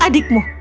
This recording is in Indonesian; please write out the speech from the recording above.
lalu dalam sekejap